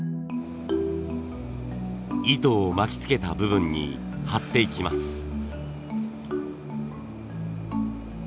糸を巻きつけた部分に貼っていきます。